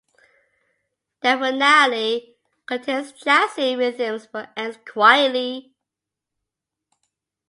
The finale contains jazzy rhythms but ends quietly.